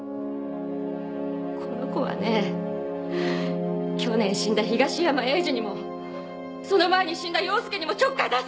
この子はね去年死んだ東山栄治にもその前に死んだ陽介にもちょっかい出してたんですからね。